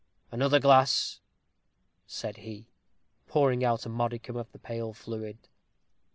"Another glass?" said he, pouring out a modicum of the pale fluid.